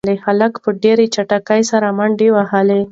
هلک په ډېرې چټکتیا سره منډې وهلې.